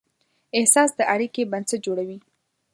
احساس د اړیکې بنسټ جوړوي.